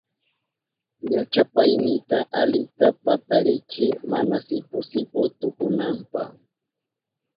Llachapaynita alita patarichiy mana sipu sipu tukunanpa.